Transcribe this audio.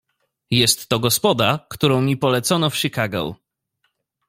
"Jest to gospoda, którą mi polecono w Chicago."